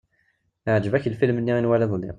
Iɛǧeb-ak lfilm-nni i nwala iḍelli.